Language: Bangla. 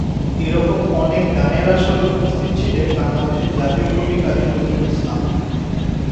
এরকম অনেক গানের আসরে উপস্থিত ছিলেন বাংলাদেশের জাতীয় কবি কাজী নজরুল ইসলাম।